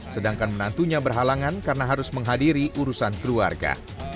sedangkan menantunya berhalangan karena harus menghadiri urusan keluarga